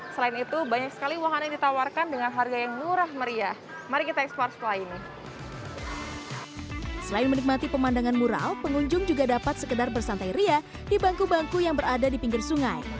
selain itu banyak sekali menikmati pemandangan mural pengunjung juga dapat sekedar bersantai ria di bangku bangku yang berada di pinggir sungai